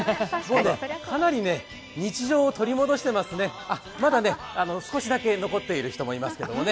かなり日常を取り戻してますね、まだね、少しだけ残ってる人もいますけどね。